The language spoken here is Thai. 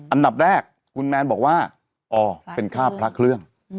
อันดับแรกคุณแมนบอกว่าอ๋อเป็นค่าพระเครื่อง